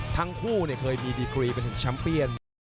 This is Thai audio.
ทั้งคู่เคยมีดีกรีเป็นชัมเปียน